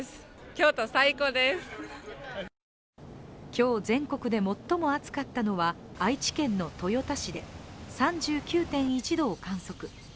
今日全国で最も暑かったのは愛知県の豊田市で３９．１度を観測。